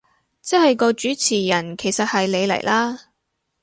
即係個主持人其實係你嚟啦